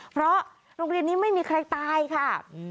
เพราะโรงเรียนนี้ไม่มีใครตายค่ะ